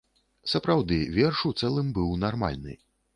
Сапраўды, верш у цэлым быў нармальны.